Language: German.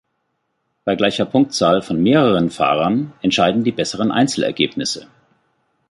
Bei gleicher Punktzahl von mehreren Fahrern entscheiden die besseren Einzelergebnisse.